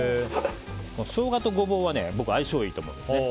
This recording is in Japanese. ショウガとゴボウは僕、相性いいと思うんです。